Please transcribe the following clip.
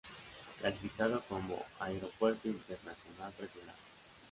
Calificado como "Aeropuerto Internacional Regular".